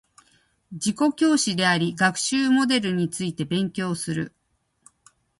自己教師あり学習モデルについて勉強する